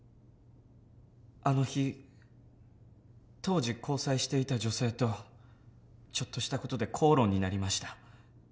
あの日当時交際していた女性とちょっとした事で口論になりました。